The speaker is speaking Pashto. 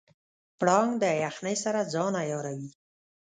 پړانګ د یخنۍ سره ځان عیاروي.